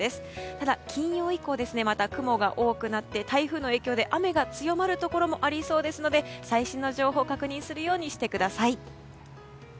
ただ、金曜以降また雲が多くなって台風の影響で雨が強まるところもありそうですので最新の情報を確認するようにしてください。